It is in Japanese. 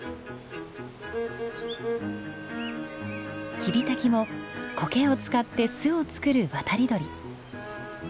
キビタキもコケを使って巣を作る渡り鳥。